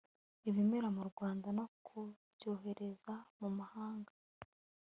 ibimera mu Rwanda no kubyohereza mu mahanga